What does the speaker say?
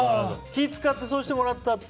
気を使ってそうしてもらった？